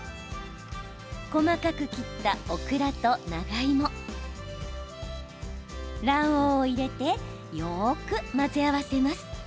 細かく切ったオクラと長芋卵黄を入れてよく混ぜ合わせます。